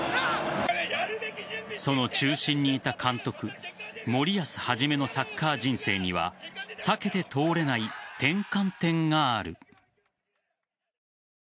その中心にいた監督森保一のサッカー人生には避けて通れない転換点がある。